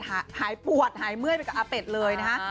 หายปวดหายเมื่อยไปกับอาเป็ดเลยนะฮะ